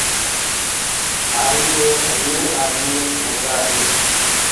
ڪآري مي امير آدمي گُمدآ هينٚ۔